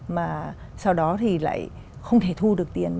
mà sau đó thì lại không thể thu được tiền